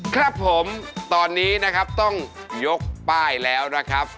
ครับผมตอนนี้นะครับต้องยกป้ายแล้วนะครับ